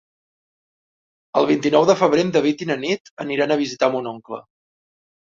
El vint-i-nou de febrer en David i na Nit aniran a visitar mon oncle.